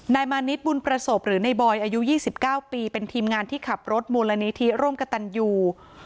มานิดบุญประสบหรือในบอยอายุ๒๙ปีเป็นทีมงานที่ขับรถมูลนิธิร่วมกับตันยู